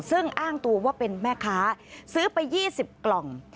ซึ่งอ้างตัวว่าเป็นแม่ค้าซื้อไป๒๐กล่อง